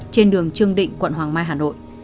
trên đường trương định quận hoàng mai hà nội